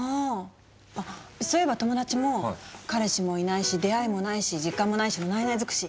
あっそういえば友達も「彼氏もいないし出会いもないし時間もないしのないない尽くし。